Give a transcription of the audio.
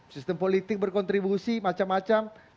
sistem politik berkontribusi macam macam